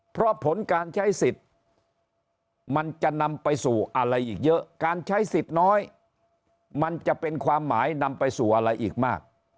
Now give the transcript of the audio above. เพราะผลการใช้สิทธิ์มันจะนำไปสู่อะไรอีกเยอะการใช้สิทธิ์น้อยมันจะเป็นความหมายนำไปสู่อะไรอีกมาก